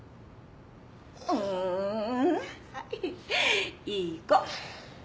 うんはいいい子。